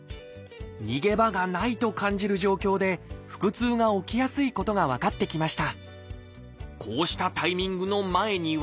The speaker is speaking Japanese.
逃げ場がないと感じる状況で腹痛が起きやすいことが分かってきました。